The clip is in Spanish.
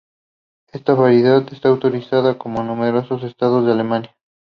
Esta variedad está autorizado en numerosos estados de Alemania.